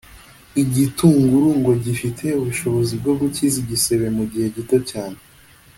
Igitunguru ngo gifite ubushobozi bwo gukiza igisebe mu gihe gito cyane